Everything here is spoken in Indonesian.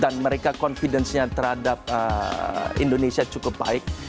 dan mereka confidence nya terhadap indonesia cukup baik